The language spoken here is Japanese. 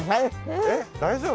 えっ大丈夫？